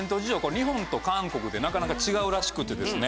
日本と韓国でなかなか違うらしくてですね。